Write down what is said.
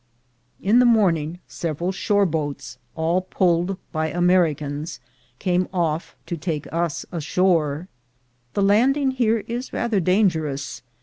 In the morning several shore boats, all pulled by Americans, came off to take us ashore. The landing here is rather dangerous.